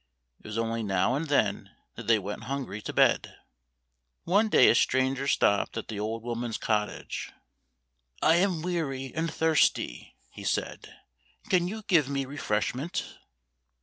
It was only now and then that they went hungry to bed. One day a stranger stopped at the old woman's cottage. " I am weary and thirsty," he said. " Can you give me refresh ment?